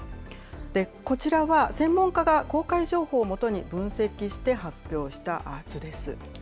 こちらは専門家が公開情報を基に分析して発表した図です。